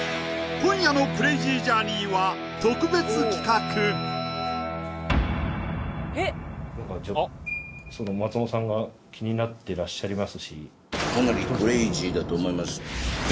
今夜のクレイジージャーニーは特別企画松本さんが気になってらっしゃりますしかなりクレイジーだと思います